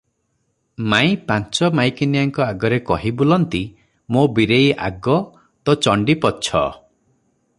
ମାଇଁ ପାଞ୍ଚ ମାଇକିନିଆଙ୍କ ଆଗରେ କହି ବୁଲନ୍ତି, "ମୋ ବୀରେଇ ଆଗ ତ ଚଣ୍ଡୀ ପଛ ।